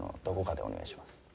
どこかでお願いします。